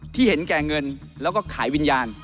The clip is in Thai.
เห็นแก่เงินแล้วก็ขายวิญญาณ